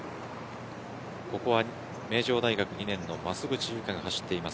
ここは名城大２年の増渕祐香が走っています。